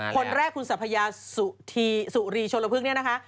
คนแรกคุณสัพพยาสุรีชนลพึกนี้นะคะ